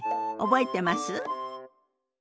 覚えてます？